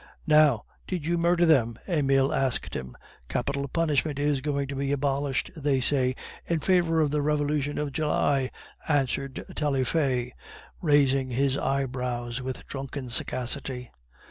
"Now, did you murder them?" Emile asked him. "Capital punishment is going to be abolished, they say, in favor of the Revolution of July," answered Taillefer, raising his eyebrows with drunken sagacity.